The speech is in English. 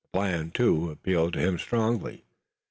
The plan, too, appealed to him strongly.